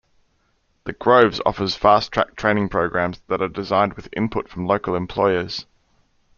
The Groves offers fast-track training programs that are designed with input from local employers.